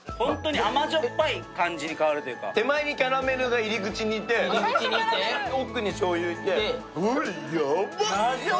甘じょっぱ感じに変わるというか手前にキャラメルが入り口にいて奥にしょうゆがいて。